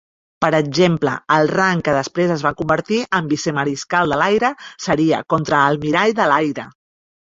Per exemple, el rang que després es va convertir en vicemariscal de l'aire seria contraalmirall de l'aire.